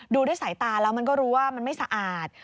ดูด้วยสายตาแล้วมันก็รู้ว่ามันไม่สะอาด